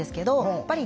やっぱり。